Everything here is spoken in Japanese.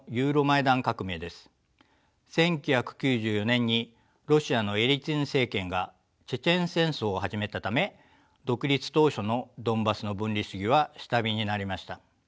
１９９４年にロシアのエリツィン政権がチェチェン戦争を始めたため独立当初のドンバスの分離主義は下火になりました。